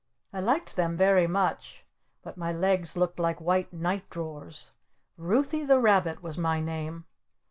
I liked them very much. But my legs looked like white night drawers. "Ruthy the Rabbit" was my name.